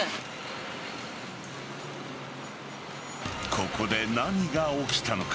ここで何が起きたのか。